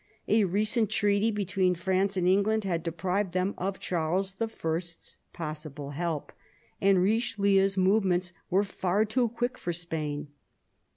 A recent treaty between France and England had deprived them of Charles I.'s possible help, and Richelieu's movements were far too quick for Spain.